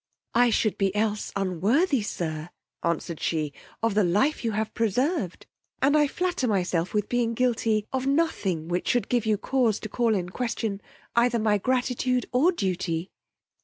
I should be else unworthy, sir, answered she, of the life you have preserved; and I flatter myself with being guilty of nothing which should give you cause to call in question either my gratitude or duty.